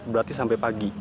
berarti sampai pagi